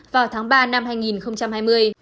vào tháng ba năm hai nghìn hai mươi